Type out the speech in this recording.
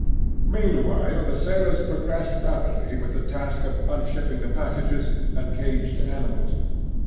Meanwhile the sailors progressed rapidly with the task of unshipping the packages and caged animals.